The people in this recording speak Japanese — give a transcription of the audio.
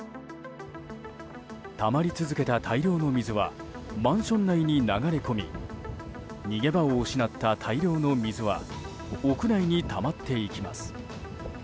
たまり続けた大量の水はマンション内に流れ込み逃げ場を失った大量の水は屋内にたまっていきます。